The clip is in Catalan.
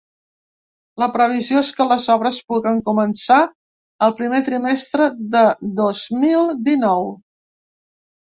La previsió és que les obres puguen començar el primer trimestre de dos mil dinou.